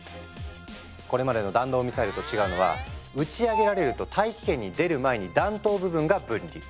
これまでの弾道ミサイルと違うのは打ち上げられると大気圏に出る前に弾頭部分が分離。